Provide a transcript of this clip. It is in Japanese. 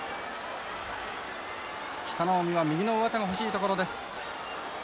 北の湖は右の上手が欲しいところです。